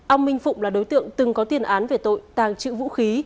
ông minh phụng là đối tượng từng có tiền án về tội tàng trữ vũ khí